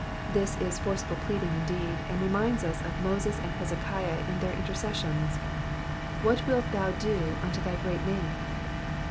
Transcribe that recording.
This is forcible pleading indeed, and reminds us of Moses and Hezekiah in their intercessions :What wilt thou do unto thy great name?'